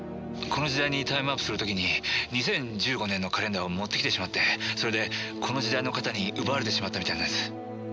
この時代にタイムワープする時に２０１５年のカレンダーを持ってきてしまってそれでこの時代の方に奪われてしまったみたいなんです。